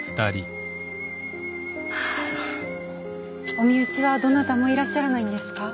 お身内はどなたもいらっしゃらないのですか？